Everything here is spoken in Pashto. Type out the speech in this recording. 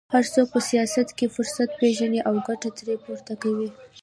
هر څوک په سیاست کې فرصت پېژني او ګټه ترې پورته کوي